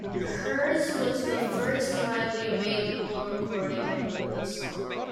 Hers was the first widely available recording of the song.